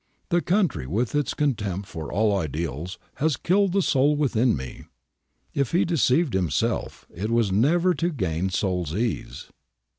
The country, with its contempt for all ideals, has killed the soul within me.''^ If he deceived himself, it was never to gain soul's ease.